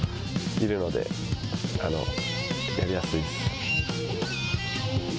いるので、やりやすいです。